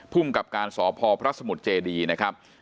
ผู้มีกับกรรมสอบภพระสมุทรเจเรดีนะครับ